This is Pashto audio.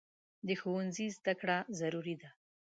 د ښوونځي زده کړه ضروري ده.